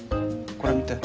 これ見て。